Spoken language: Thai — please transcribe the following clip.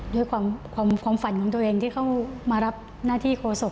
ด้วยความความฝันของตัวเองที่เข้ามารับหน้าที่โฆษก